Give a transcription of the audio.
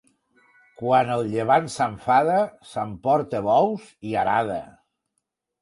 Quan el llevant s'enfada s'emporta bous i arada.